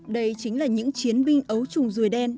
đây chính là những chiến binh ấu trùng rùi đen